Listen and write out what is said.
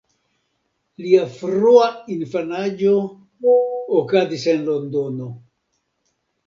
Lia frua infanaĝo okazis en Londono.